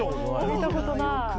見たことない。